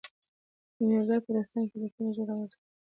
کیمیاګر په داستان لیکنه ژور اغیز کړی دی.